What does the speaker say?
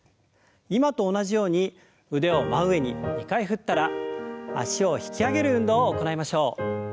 今と同じように腕を真上に２回振ったら脚を引き上げる運動を行いましょう。